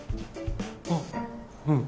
あっうん。